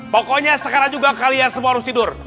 pokoknya sekarang juga kalian semua harus tidur